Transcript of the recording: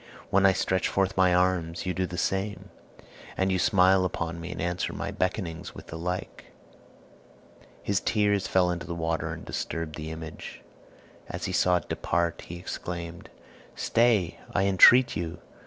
When I stretch forth my arms you do the same; and you smile upon me and answer my beckonings with the like." His tears fell into the water and disturbed the image. As he saw it depart, he exclaimed, "Stay, I entreat you!